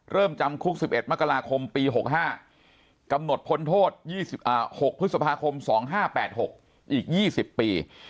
จำคุก๑๑มกราคมปี๖๕กำหนดพ้นโทษ๒๖พฤษภาคม๒๕๘๖อีก๒๐ปี